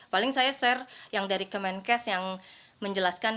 paling saya share yang dari kemenkes yang menjelaskan